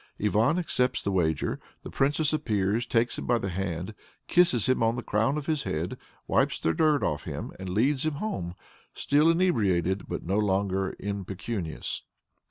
Ivan accepts the wager. The Princess appears, takes him by the hand, kisses him on the crown of his head, wipes the dirt off him, and leads him home, still inebriated but no longer impecunious.